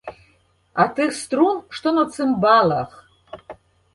А тых струн, што на цымбалах.